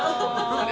あれ？